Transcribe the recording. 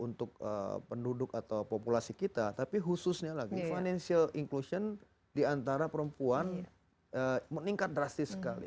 untuk penduduk atau populasi kita tapi khususnya lagi financial inclusion diantara perempuan meningkat drastis sekali